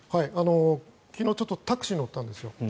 昨日タクシーに乗ったんですよ。